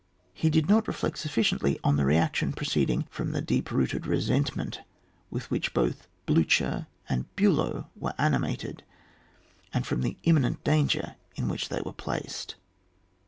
He did not reflect sufficiently on the reaction proceeding from the deep rooted resentment with which both Blucher and Bulow were animated, and from the im minent danger in which they were placed.